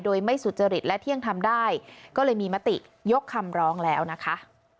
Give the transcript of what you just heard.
โดยไม่สุจริตและเที่ยงทำได้ก็เลยมีมติยกคำร้องแล้วนะคะ